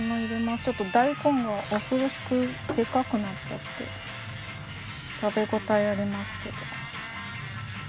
ちょっと大根が恐ろしくでかくなっちゃって食べ応えありますけど。